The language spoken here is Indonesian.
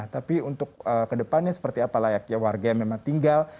tapi untuk kedepannya seperti apa layaknya warga yang memang tinggal